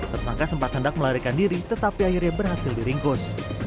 tersangka sempat hendak melarikan diri tetapi akhirnya berhasil diringkus